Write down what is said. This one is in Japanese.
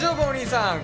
お兄さん。